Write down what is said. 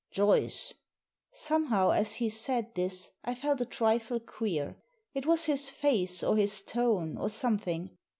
"Joyce!" Somehow, as he said this, I felt a trifle queer. It was his face, or his tone, or something.